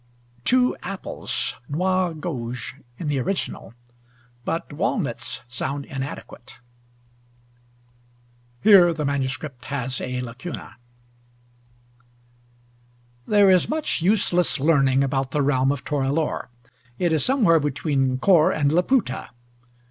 TWO APPLES; nois gauges in the original. But walnuts sound inadequate. Here the MS. has a lacuna. There is much useless learning about the realm of Torelore. It is somewhere between Kor and Laputa.